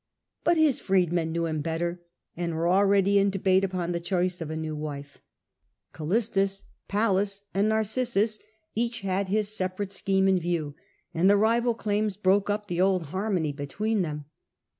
But his freedmen ^ knew him better, and were already in debate among the upon the choice of a new wife. Callistus, to^thrSioTce Pallas, and Narcissus each had his separate of a new scheme in view, and the rival claims broke up the old harmony between them.